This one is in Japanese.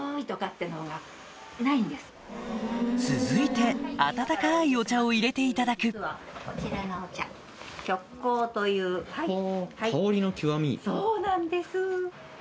続いて温かいお茶を入れていただくそうなんです。